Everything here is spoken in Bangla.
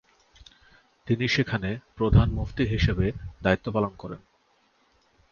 তিনি সেখানে প্রধান মুফতি হিসেবে দায়িত্ব পালন করেন।